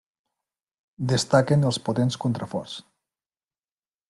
Destaquen els potents contraforts.